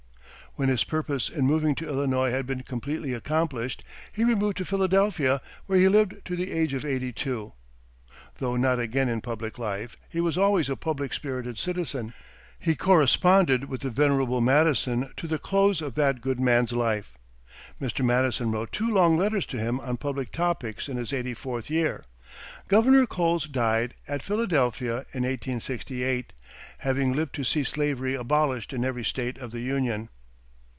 When his purpose in moving to Illinois had been completely accomplished, he removed to Philadelphia, where he lived to the age of eighty two. Though not again in public life, he was always a public spirited citizen. He corresponded with the venerable Madison to the close of that good man's life. Mr. Madison wrote two long letters to him on public topics in his eighty fourth year. Governor Coles died at Philadelphia in 1868, having lived to see slavery abolished in every State of the Union.